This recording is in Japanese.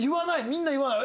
みんな言わない？